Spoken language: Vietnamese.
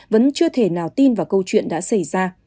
vẫn chưa thể nào tin vào câu chuyện đã xảy ra